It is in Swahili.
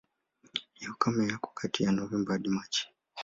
Ya ukame yako kati ya Novemba hadi Machi.